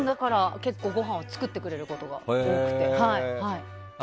結構、ごはんを作ってくれることが多くて。